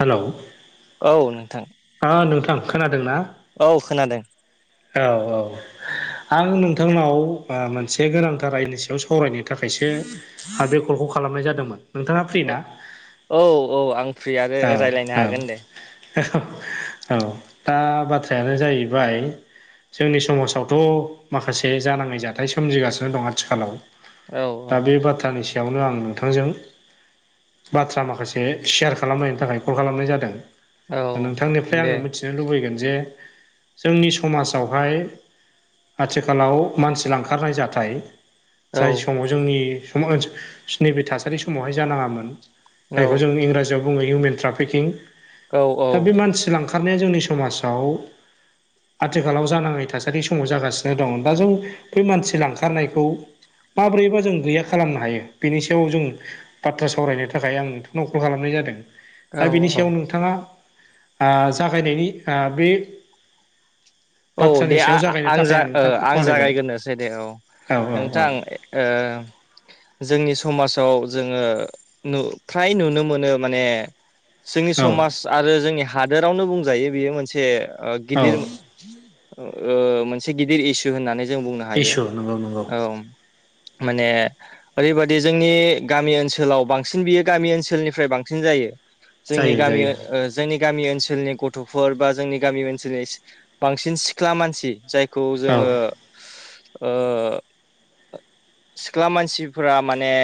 Hello औ नोंथां आ नोंथां खोनादों ना औ खोनादों औ औ आं नोंथांनाव ओ मोनसे गोनांथार रायनि सायाव सावरायनो थाखायसो हा बे कलखौ खालामनाय जादोंमोन नोंथाङा फ्रि ना? औ औ आं फ्रि आरो औ रायज्लायनो हागोन दे औ औ दा बाथ्रायानो जाहैबाय जोंनि समाजावथ' माखासे जानाङै जाथाय सोमजिगासिनो दं आथिखालाव औ दा औ बे बाथ्रानि सा यावनो आं नोंथांजों बाथ्रा माखासे सेयार खालामलायनो थाखाय कल खालामनाय जादों औ नोंथांनिफ्राय दे आङो मिथि नो लुबैगोन जे जोंनि समाजावहाय आथिखालाव मानसि लांखारनाय जाथाय जाय औ समाव जोंनि सम ओ नैबे थासारि समावहाय जानाङामोन औ जायखौ जों इंराजियाव बुङो हिउमेन ट्राफिकिं औ दा बे मानसि लांखा खारनाया जोंनि समाजाव आथिखालाव जानाङै थासारि समाव जागासिनो दं दा जों बे मानसि लांखारनायखौ माब्रैबा जों गैया खालामनो हायो बेनि सायाव जों बाथ्रा सावरायनो थाखाय आं नोंथांनाव कल खालामनाय जादों औ दा बेनि औ सायाव नों थाङा आ जागायनायनि आ बे औ बाथ्रानि दे आ सायाव आ जागायनो आं थाखाय जा ओ नोंथांखौ आं खावलायबाय जागायगोरनोसै दे औ नोंथां ओ जोंनि समाजाव जोङो नु फ्राय नुनो मोनो माने जोंनि औ समाज आरो जोंनि हादोरावनो बुंजायो बेयो मोनसे गिदिर औ ओ मोनसे गिदिर इसु होननानै जों बुंनो हायो इसु नंगौ नंगौ औ माने ओरैबादि जोंनि गामि ओनसोलाव बांसिन बियो गामि ओनसोलनिफ्राय बांसिन जायो जोंनि जायो गामि जायो ओ जोंनि गामि ओनसोलनि गथ'फोर बा जोंनि गामि ओनसोलनि बांसिन सिख्ला मानसि जायखौ औ जोङो ओ सिख्ला मानसिफोरा माने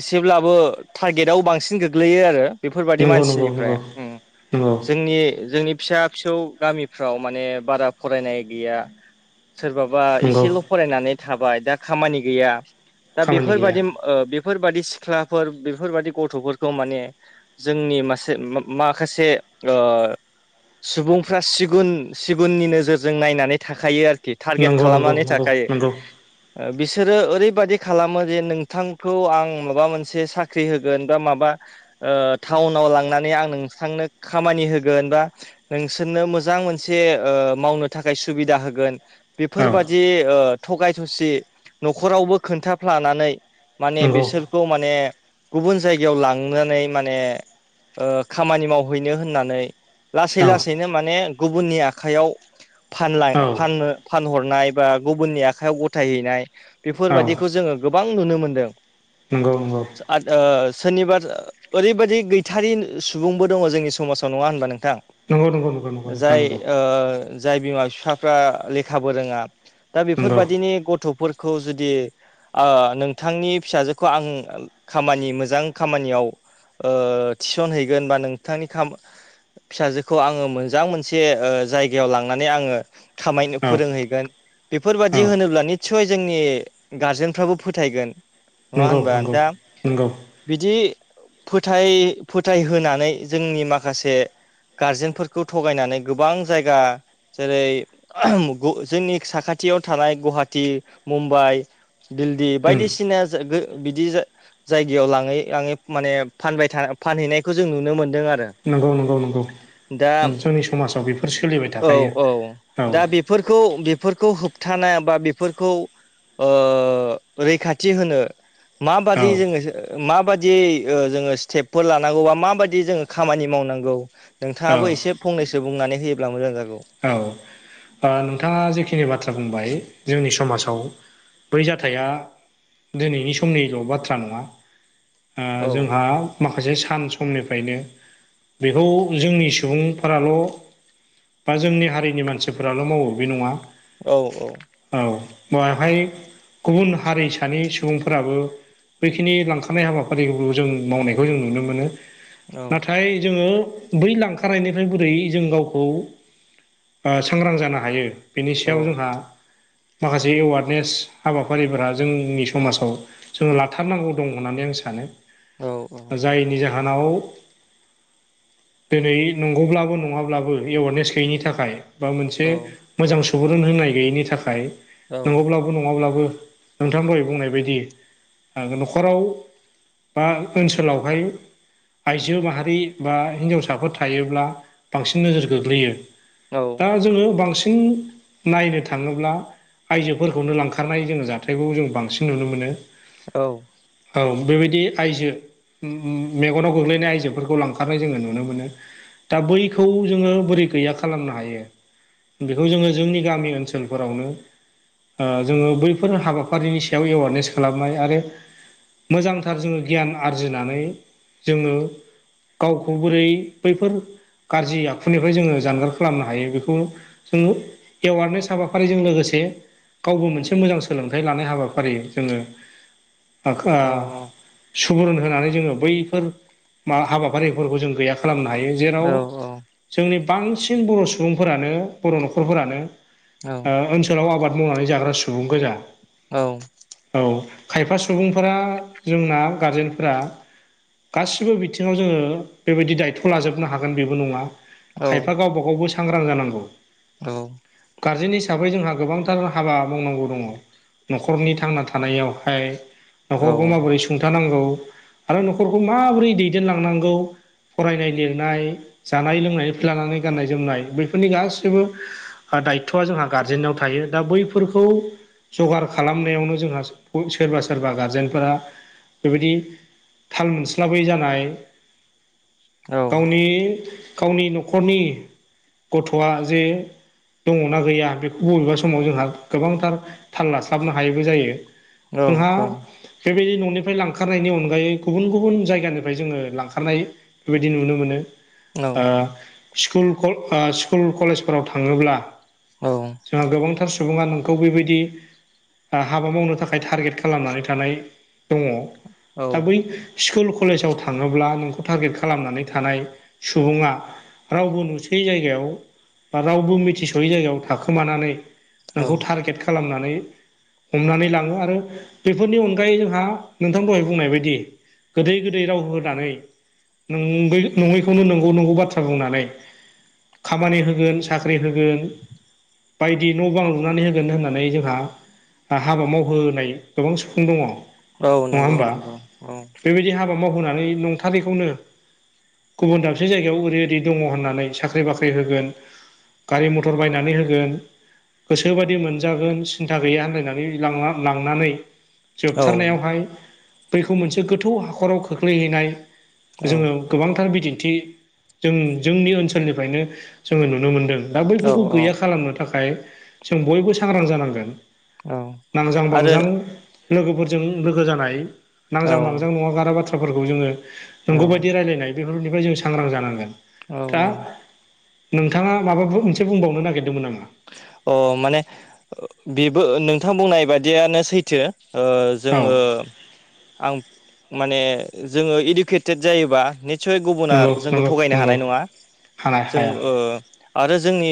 एसेब्लाबो टारगेटआव बांसिन गोग्लैयो आरो बेफोरबादि नंगौ नंगौ मानसिनिफ्राय नंगौ उम नंगौ जोंनि जोंनि फिसा फिसौ गामिफ्राव माने बारा फरायनाय गैया सोरबाबा नंगौ एसेल' फरायनानै थाबाय दा खामानि गैया दा खामानि गैया बेफोरबायदि ओ बे फोरबादि सिख्लाफोर बेफोरबादि गथ'फोरखौ माने जोंनि मासे मा-माखासे ओ सुबुंफ्रा सिगुन सिगुननि नोजोरजों नायनानै थाखायो आरो खि टारगेट नंगौ नंगौ खालामनानै नंगौ नंगौ थाखायो बिसोरो ओरैबादि खालामो जे नोंथां खौ आं माबा मोनसे साख्रि होगोन बा माबा ओ टाउनाव लांनानै आं नोंथांनो खामानि होगोन बा नोंसोरनो मोजां मोनसे ओ मावनो थाखाय सुबिदा होगोन औ बेफोरबादि ओ थगाय थसि न'खरावबो खोन्थाफ्लानानै माने नंगौ बिसोरखौ माने गुबुन जायगायाव लांनानै माने ओ खामानि मावहैनो होननानै लासै औ लासैनो माने गुबुननि आखाइयाव फानलां औ फाननो फानहरनाय बा गुबुननि आखाइायाव गथायहैनाय औ बेफोरबायदिखौ जोङो गोबां नुनो मोनदों। नंगौ नंगौ आद ओ सनिबा ओरैबायदि गैथारि सुबुंबो दङ जोंनि समाजाव नङा होनबा नोंथां नंगौ नंगौ नंगौ नंगौ नोंथां जाय नंगौ ओ जाय बिमा बिफाफ्रा लेखाबो रोङा दा नंगौ बेफोरबादिनि गथ'फोरखौ जुदि ओ नोंथांनि फिसाजोखौ आं खामानि मोजां खामानियाव ओ थिसन हैैगोन बा नोंथांनि खामा फिसाजोखौ आङो मोजां मोनसे जायगायाव लांनानै आङो खामायनो औ फोरोंहैगोन बेफोर औ बायदि होनोब्ला निसय जोंनि गार्जेनफ्राबो फोथायगोन नङा नंगौ होनबा नंगौ दा नंगौ बिदि फोथाय फोथायनानै जोंनि माखासे गारजेनफोरखौ थगायनानै गोबां जायगा जेरै जोंनि साखाथियाव थानाय गुवाहाटि मुम्बाइ दिल्ली उम बायदिसिना बिदि जायगायाव लाङै लाङै माने फानबाय फानहैनायखौ जों नुनो मोन्दों आरो नंगौ नंगौ नंगौ दा जोंनि समाजाव बेफोर सोलिबाय औ थाखायो औ औ दा बेफोरखौ होबथानाया बा बेफोरखौ रैखाथि थि होनो औ माबादि जोङो मा बादि जोङो स्टेपफोर लानांगौ बा मा बाददि जोङो खामानि मावनांगौ औ नोंथाङाबो एसे फंनैसो बुंनानै होयोब्ला मोजां जागौ औ नोंथाङा जेखिनि बाथ्रा बुंबाय जोंनि समाजाव बै जाथाया दिनैनि समनिल' बाथ्रा नङा औ जोंहा माखासे सान समनिफ्रायनो बेखौ जोंनि सुबुंफोराल' बा जोंनि हारिनि मानसिफोराल' मावो बे नङा औ औ औ बेहाय गुबुन हारिसानि सुबुंफोराबो बैखिनि लांखारनाय हाबाफारिखौ जों मावनायखौ जों नुनो मोनो औ नाथाय जोङो बै लांखारनायनिफ्राय बोरै जों गावखौ सांग्रां जानो हायो बेनि औ सायाव जोंहा माखासे एवारनेस हाबाफारिफोरा जोंनि समाजाव जोङो लाथारनांगौ दं होननानै आं सानो औ जायनि जाहोनाव दिनै नंगौब्लाबो नङाब्लाबो एवारनेस गैयिनि थाखाय बा मोनसे औ मोजां सुबुरुन होनाय गैयैनि थाखाय औ नंगौब्ला नङाब्लाबो नोंथां दहै बुंनाय बायदि न'खराव बा ओनसोलावहाय आइजो माहारि बा हिनजावसाफोर थायोब्ला बांसिन नोजोर गोग्लैयो औ दा जोङो बांसिन नायनो थाङोब्ला आइजोफोरखौनो लांखारनाय जोङो जाथायखौ जों बांसिन नुनो मोनो औ औ बेबायदि आइजो मेगनाव गोग्लैनाय आइजोफोरखौ लांखारनाय जोङो नुनो मोनो दा बैखौ जोङो बोरै गैया खालामनो हायो बेखौ जोङो जोंनि गामि ओनसोलफोरावनो जोङो बैफोर हाबाफारिनि सायाव एवारनेस खालामनाय आरो मोजांथार जोङो गियान आरजिनानै जोङो गावखौ बोरै बैफोर गाज्रि आखुनिफ्राय जोङो जानगार खालामनो हायो बेखौ जोङो एवारनेस हाबाफारिजों लोगोसे गावबो मोनसे मोजां सोलोंथाइ लानाय हाबाफारि जोङो औ सुबुरुन होनानै जोङो बैफोर मा हाबाफारिफोरखौ जों गैयाखै खालामनो हायो जेराव औ जोंनि बांसिन बर' सुबुं सुबुंफोरानो बर' न'खरफोरानो ओनसोलाव आबाद मावनानै जाग्रा सुबुं गोजा औ औ खायफा सुबुंफोरा जोंना गारजेनफोरा गासिबो बिथिङाव जोङो बेबायदि दायथ' लाजोबनो हागोन बेबो नङा खायफा गावबाागावबो सांग्रां जानांगौ। औ गारजेन हिसाबै जोंहा गोबांथार हाबा मावनांगौ दङ। नखरनि थांना थानायावहाय नखरखौ माबोरै सुंथानांगौ। आरो नखरखौ माबोरै दैदेनलांनांगौ। फरायनाय लिरनाय जानाय लोंनाय लानानै गाननाय जोमनाय। बैफोरनि गासैबो दायथआ जोंहा गारजेनाव थायो दा बैफोरखौ। जगार खालामनायावनो जोंहा सोरबा सोरबा गारजेनफोरा बेबायदि। थाल मोनस्लाबै जानाय। गावनि गावनि नखरनि गथआ जे दङना गैया बेखौ बबेबा समाव जोंहा गोबांथार थांलास्लाबनो हायैबो जायो। जोंहा बेबायदि ननिफ्राय लांखारनायनि अनगायै गुबुन गुबुन जायगानिफ्राय जोङो लांखारनाय। बेबायदि नुनो मोनो। ओ-स्कुल स्कुल कलेजफोराव थाङोब्ला। औ जोंहा गोबांथार सुबुङा नोंखौ बेबायदि। हाबा मावनो थाखाय टारगेट खालामनानै थानाय दङ दा औ बै। स्कुल कलेजाव थाङोब्ला नोंखौ टारगेट खालामनानै थानाय सुबुङा रावबो नु बे जायगायाव बा रावबो मिथिसयै जायगायाव थाखोमानानै औ नोंखौ टारगेट खालामनानै हमनानै लाङो आरो बेफोरनि अनगायै जोंहा नोंथां दहाय बुंनाय बायदि। गोदै गोदै राव होनानै न नङैखौनो नंगौ नंगौ बाथ्रा बुंनानै। खामानि होगोन साख्रि होगोन। बायदि न बां लुनानै होगोन होननानै जोंहा। हाबा मावहोनाय गोबां सुबुं दङ। औ नंगौ नंगौ औ बा मावहानै नंथारैखौनो गुबुन दाबसे जायगायाव ओरै ओरै दङ होननानै साख- साख्रि बाख्रि होगोन गारि मथर बायनानै होगोन। गोसोबायदि मोनजागोन सिन्था गैया होनलायनानै लांनानै। औ जोबथारनायावहाय बैखौ मोनसे गोथौ हाखराव खोख्लैहैनाय औ जोङो। गोबांथार बिदिन्थि जों जोंनि ओनसोलनिफ्रायनो जोङो नुनो मोनदों। दा औ बैफोरखौ गैया खालामनो थाखाय जों बयबो सांग्रां जानांगोन। औ नांजां आरो बांजां लोगोफोरजों लोगो जानाय। औ नांजां बांजां नङागारा बाथ्राफोरखौ जोङो औ नंगौ बायदि रायलायनाय बेफोरनिफ्राय जों सांग्रां जानांगोन। औ दा औ नोंथाङा माबाबो मोनसे बुंबावनो नागिरदोंमोन नामा। अ माने बेबो नोंथां बुंनाय बादियानो सैथो ओ औ जोङो आं माने जोङो इडुकेटेड जायोबा। निसय गुबुना नंगौ जोंखौ नंगौ थगायनो नंगौ हानाय नङा हानाय जों हाया ओ आरो जोंनि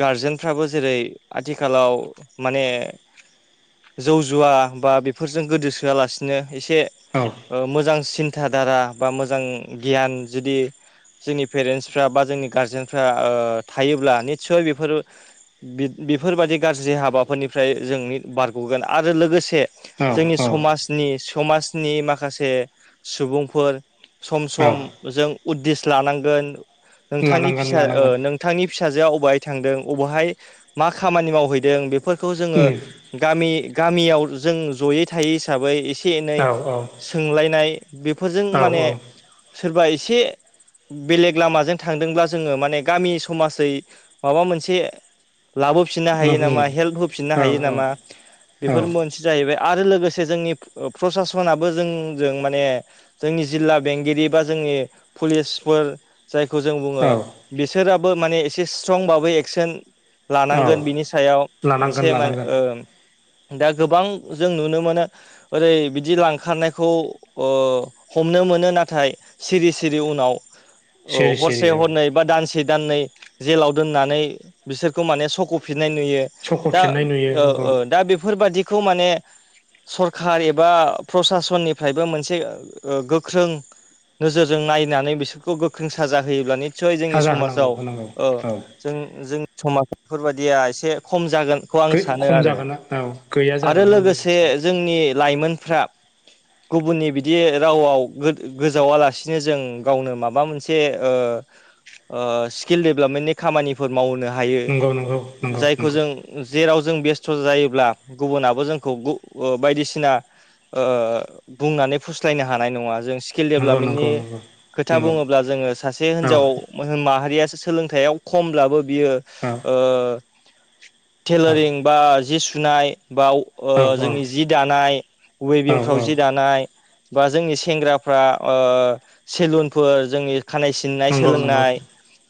गारजेनफ्राबो जेरै आथिखालाव माने। जौ जुवा बा बेफोरजों गोदोसोआलासिनो एसे औ ओ-मोजां सिन्था धारा बा मोजां गियान जुदि जोंनि पेरेन्टसफ्रा बा जोंनि गारजेनफ्रा थायोब्ला निस्सय बेफोर। बेफोरबायाददि गाज्रि हाबाफोरनिफ्राय जोंनि बारगगोन आरो लोगोसे। औ जोंनि औ समाजनि समाजनि माखासे सुबुंफोर। सम औ सम जों उददिस लानांगोन नोंथांनि लानांगोन फिसा ओ लानांगोन थांनि फिसाजोआ अबेहाय थांदों बबेहाय मा खामानि मावहैदों बेफोरखौ जोङो। उम गामि गामियाव जों जयै थायै हिसाबै एसे एनै औ औ सोंलायनाय। बेफोरजों औ माने औ सोरबा एसे। बेलेग लामाजों थांदोंब्ला जोङो माने गामि समाजै माबा मोनसे लाबोफिननो नों हायो नामा उम हेल्प होफिननो औ हायो औ नामा औ बेफोर मोन जाहैबाय आरो लोगोसे जोंनि प्रसासनाबो जोंजों माने जोंनि जिल्ला बेंगिरि बा जोंनि पुलिसफोर जायखौ जों बुङो औ बिसोराबो माने एसे स्ट्रं बाबै एक्सन औ लानांगोन बिनि सायाव लानांगोन मोनसे मान लानांगोन ओम। दा गोबां जों नुनो मोनो। ओरै बिदि लांखारनायखौ ओ हमनो मोनो नाथाय सिरि सिरि उनाव औ सिरि सिरि हरसे औ हरनै बा दानसे दाननै जेलाव दोननानै बिसोर खौ माने सख'फिननाय नुयो। दा सख'फिननाय नुयो ओ नोंगौ ओ दा बेफोरबादिखौ माने सरखार एबा प्रसासननिफ्रायबो मोनसे गोख्रों नोजोरजों नायनानै बिसोरखौ गोख्रों साजा होयोब्ला निस्सय जोंनि साजा होनांगौ समाजाव होनांगौ ओ औ जों जोंनि समाज बेफोरबायादिया एसे खम जागोन खौ आं गै सानो खम आरो जागोन औ गैया आरो जागोनखौ जों लोगोसे सानो जोंनि लाइमोनफ्रा गुबुननि बिदि रावाव गो-गोजावालासिनो जों गावनो माबा मोनसे ओ ओ स्किल डेभलपमेन्टनि खामानिफोर मावनो हायो। नंगौ नंगौ नंगौ जायखौ नंगौ जेराव जों बेस्थ' जायोब्ला गुबुनाबो जोंखौ गु-बायदिसिना ओ बुंनानै फुस्लायनो हानाय नङा जों सि किल नंगौ नंगौ डेभलपमेन्टनि नंगौ खोथा नंगौ बुङोब्ला जोङो सासे औ हिनजाव माहारिया सोलोंथायाइाव खमब्लाबो बियो औ ओ औ टेलारिं बा जि सुनाय बाव ओ औ जोंनि जि दानाय औ वेबिंफ्राव औ जि दानाय। बा जोंनि सेंग्राफ्रा ओ सेलुनफोर जोंनि खानाय सिननाय नंगौ नंगौ सोलोंनाय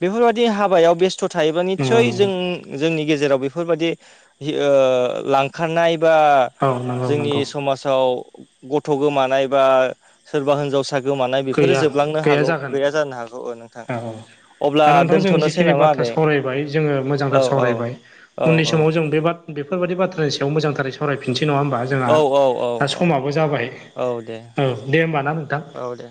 बेफोरबायदि हाबायाव बेस्थ' थायोबा नंगौ निसय नंगौ जों जोंनि गेजेराव बेफोरबादि ओ लांखारनाय बा औ नंगौ जोंनि नंगौ समाजाव गथ' गोमानाय बा सोरबा हिनजाव सा गोमानाय बेफोरो गैया जोबलांनो हागौ जागोन गैया जानो हागौ। नोंथां औ औ अब्ला दा नोंथां जों दोनथ'नोसै जिखिनि नामा बाथ्रा आदै? सावरायबाय जोङो मोजांथार औ औ सावरायबाय औ उननि समाव औ जों बे बेफोरबादि बाथ्रानि सायाव मोजांथारै स सावरायफिनसै नङा होमबा जोंहा औ औ औ दा औ समाबो जाबाय औ दे औ दे होमबा ना नोंथां। औ औ दे